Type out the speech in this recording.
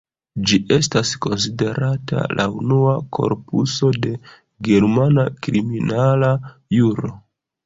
Ĝi estas konsiderata la unua korpuso de germana kriminala juro.